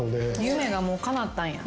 夢がもうかなったんや。